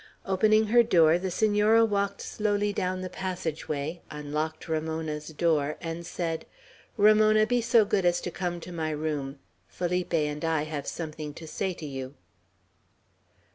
Opening her door, the Senora walked slowly down the passage way, unlocked Ramona's door, and said: "Ramona, be so good as to come to my room. Felipe and I have something to say to you."